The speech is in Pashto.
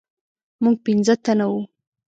موږ پنځه تنه وو.